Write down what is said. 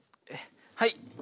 はい。